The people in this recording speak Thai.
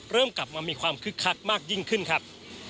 เริ่มกลับมามีความคึกคักมากยิ่งขึ้นครับ